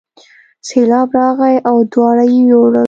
سیلاب راغی او دواړه یې یووړل.